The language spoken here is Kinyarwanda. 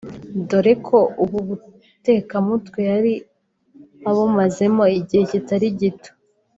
dore ko ubu butekamutwe yari abumazemo igihe kitari gito